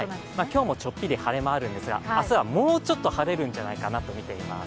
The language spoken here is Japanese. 今日もちょっぴり晴れ間あるんですが、明日はもうちょっと晴れ間があるんじゃないかとみています。